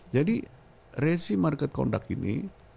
jadi resi market conduct ini